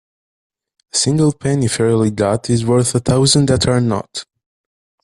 A single penny fairly got is worth a thousand that are not.